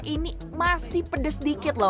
ini masih pedes dikit lho